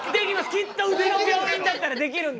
きっとうちの病院だったらできるんで！